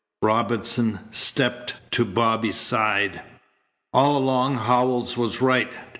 Robinson stepped to Bobby's side. "All along Howells was right.